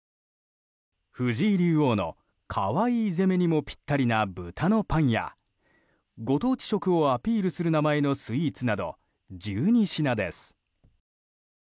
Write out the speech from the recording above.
藤井竜王の可愛い攻めにもピッタリな、ぶたのパンやご当地色をアピールする名前のスイーツなど１２品です。